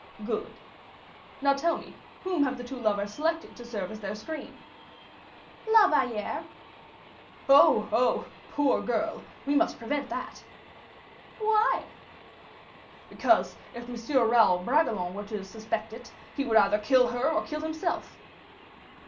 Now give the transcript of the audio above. "Good. Now tell me whom have the two lovers selected to serve as their screen?" "La Valliere." "Oh, oh, poor girl! We must prevent that!" "Why?" "Because, if M. Raoul Bragelonne were to suspect it, he would either kill her or kill himself."